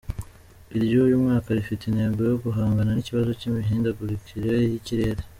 Iry’uyu mwaka rifite intego yo guhangana n’ikibazo cy’imihindagurikire y’ikirere.